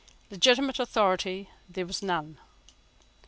Legitimate authority there was none.